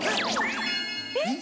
えっ？